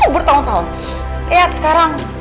bertahun tahun lihat sekarang